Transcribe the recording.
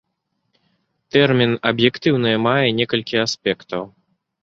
Тэрмін аб'ектыўнае мае некалькі аспектаў.